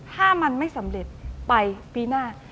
ถ้ามันไม่สำเร็จไปปีหน้า